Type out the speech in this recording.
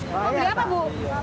mau beli apa bu